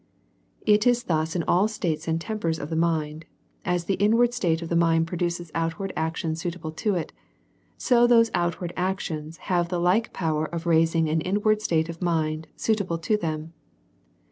it is thus in all states and tempers of the mind; as the inward state of the mind produces outward actions suitable to it, so those outward actions have the like pow er of raising an inward state of mind suitable to them.